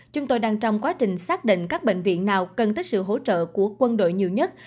chúng tôi đang trong quá trình xác định các bệnh viện nào cần tới sự hỗ trợ của quân đội nhiều nhất